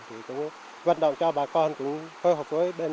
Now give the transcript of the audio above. thì cũng vận động cho bà con cũng phối hợp với bên